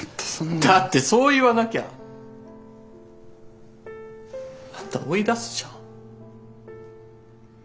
だってそう言わなきゃあんた追い出すじゃん。